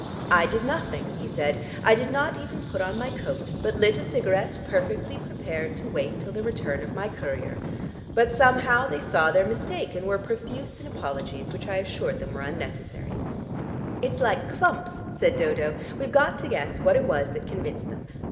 "I did nothing," he said. "I did not even put on my coat, but lit a cigarette, perfectly prepared to wait till the return of my courier. But somehow they saw their mistake, and were profuse in apologies, which I assured them were unnecessary." "It's like clumps," said Dodo. "We've got to guess what it was that convinced them.